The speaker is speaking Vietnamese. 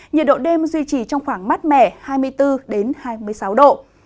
nhiệt độ đêm duy trì trong khoảng mát mẻ hai mươi bốn hai mươi sáu độ